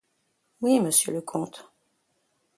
Oui, monsieur le comte.